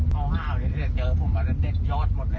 เฮ้เอานี่ถ้าเจอผมมันจะเด็ดยอดหมดเลย